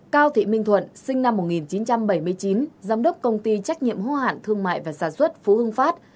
cao thị minh thuận sinh năm một nghìn chín trăm bảy mươi chín giám đốc công ty trách nhiệm hô hạn thương mại và sản xuất phú hưng phát